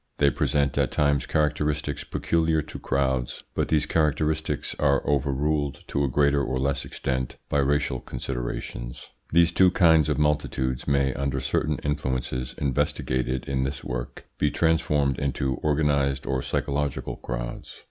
They present at times characteristics peculiar to crowds, but these characteristics are overruled to a greater or less extent by racial considerations. These two kinds of multitudes may, under certain influences investigated in this work, be transformed into organised or psychological crowds.